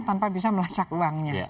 tanpa bisa melacak uangnya